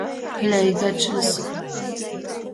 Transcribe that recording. Leigačys.